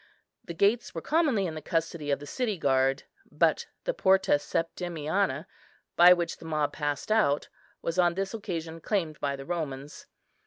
The gates were commonly in the custody of the city guard, but the Porta Septimiana, by which the mob passed out, was on this occasion claimed by the Romans.